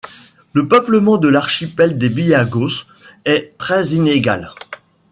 Le peuplement de l'archipel des Bijagos est très inégal.